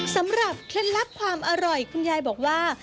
เคล็ดลับความอร่อยคุณยายบอกว่า